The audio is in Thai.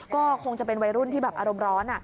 ก็คงจะเป็นวัยรุ่นที่แบบอารมณ์ร้อน